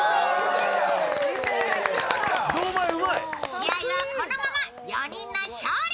試合はこのまま４人の勝利。